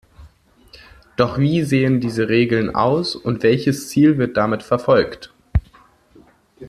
Doch wie sehen diese Regeln aus und welches Ziel wird damit verfolgt?